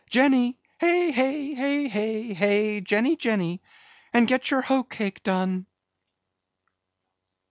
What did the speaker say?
Jenny! hey, hey, hey, hey, hey, Jenny, Jenny! and get your hoe cake done!"